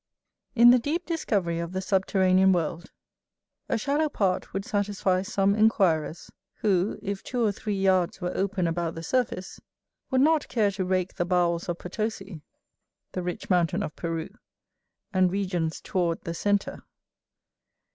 IN the deep discovery of the subterranean world a shallow part would satisfy some inquirers; who, if two or three yards were open about the surface, would not care to rake the bowels of Potosi,[AC] and regions toward the centre.